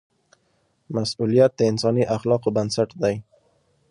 مسؤلیت د انساني اخلاقو بنسټ دی.